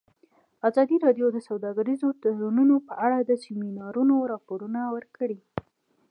ازادي راډیو د سوداګریز تړونونه په اړه د سیمینارونو راپورونه ورکړي.